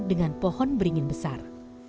dengan pohon beringin besar